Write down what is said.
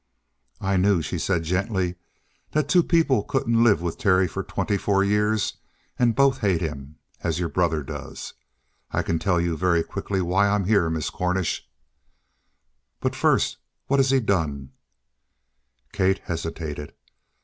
"I knew," she said gently, "that two people couldn't live with Terry for twenty four years and both hate him, as your brother does. I can tell you very quickly why I'm here, Miss Cornish." "But first what has he done?" Kate hesitated.